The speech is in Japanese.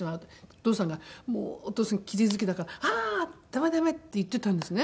お父さんがもうお父さんキレイ好きだから「ああーダメダメ！」って言ってたんですね。